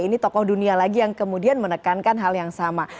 ini tokoh dunia lagi yang kemudian menekankan hal yang sama